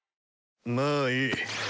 まあいい。